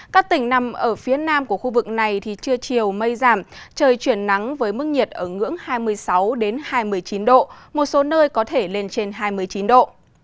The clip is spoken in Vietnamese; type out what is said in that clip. các tỉnh nằm ở phía nam của khu vực này thì trưa chiều mây giảm trời chuyển nắng với mức nhiệt ở ngưỡng hai mươi sáu hai mươi chín độ một số nơi có thể lên trên hai mươi chín độ